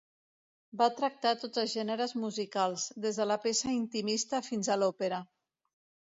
Va tractar tots els gèneres musicals, des de la peça intimista fins a l'òpera.